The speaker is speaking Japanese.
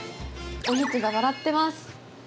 お肉が笑ってます！